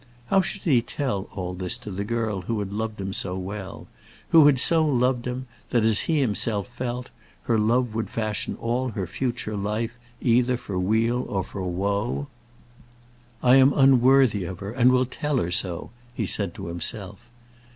How should he tell all this to the girl who had loved him so well; who had so loved him, that, as he himself felt, her love would fashion all her future life either for weal or for woe? "I am unworthy of her, and will tell her so," he said to himself.